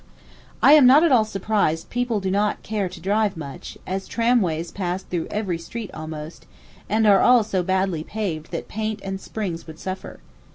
I am not at all surprised people do not care to drive much, as tramways pass through every street almost, and all are so badly paved that paint and springs would suffer.